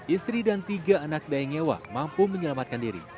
istri dan tiga anak dayewa mampu menyelamatkan diri